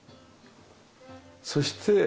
そして。